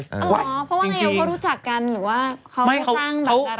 เออเพราะว่าแล้วเขารู้จักกันหรือว่าเค้าตั้งบัตรารา